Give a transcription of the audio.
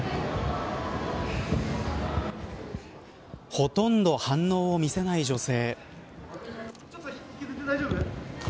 ほとんど反応を見せない女性。